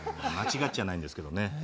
間違っちゃないんですけどね